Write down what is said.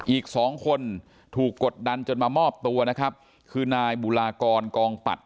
อีกสองคนถูกกดดันจนมามอบตัวนะครับคือนายบุรากรกองปัด